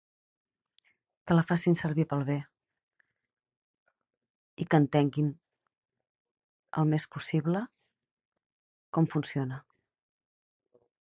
Que la facin servir pel bé, i que entenguin, el més possible, com funciona.